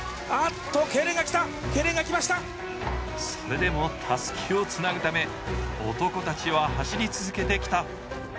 それでもたすきをつなぐため、男たちは走り続けてきた。